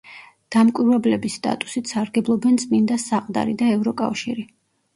დამკვირვებლების სტატუსით სარგებლობენ წმინდა საყდარი და ევროკავშირი.